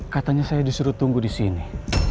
katanya saya disuruh tunggu disini